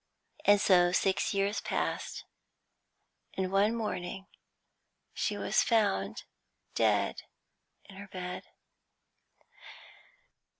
And so six years passed, and one morning she was found dead in her bed.